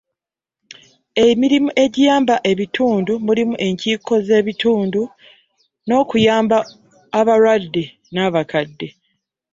Emirimu egiiyamba ebitundu mulimu enkiiko z’ebitundu, n’okuyamba abalwadde n’abakadde.